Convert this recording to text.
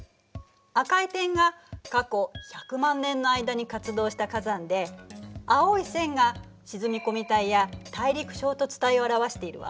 赤い点が過去１００万年の間に活動した火山で青い線が沈み込み帯や大陸衝突帯を表しているわ。